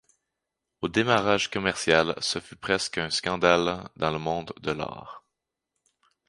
Au démarrage commercial, ce fut presque un scandale dans le monde de l'art.